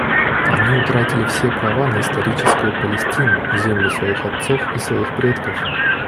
Они утратили все права на историческую Палестину — землю своих отцов и своих предков.